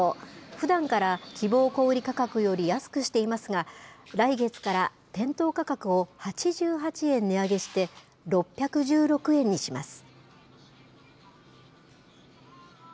ふだんから希望小売り価格より安くしていますが、来月から店頭価格を８８円値上げして、６１６円にします。